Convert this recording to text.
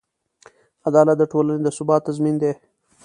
عدالت د ټولنې د ثبات تضمین دی.